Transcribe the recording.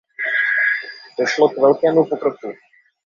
Došlo k velkému pokroku.